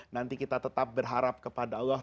nanti kita tetap berharap kepada allah